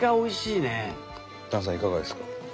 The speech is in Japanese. いかがですか？